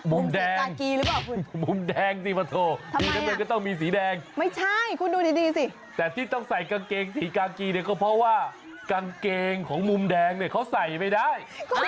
มุมแดงมุมแดงสิปะโถดูแล้วมันก็ต้องมีสีแดงแต่ที่ต้องใส่กางเกงสีกางกี้เนี่ยก็เพราะว่ากางเกงของมุมแดงเนี่ยเขาใส่ไม่ได้